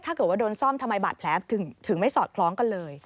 ถ้าเกิดว่าโดนซ่อมทำไมบาดแผลถึงไม่สอดคล้องกันเลย